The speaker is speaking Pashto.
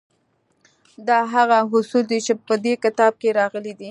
دا هغه اصول دي چې په دې کتاب کې راغلي دي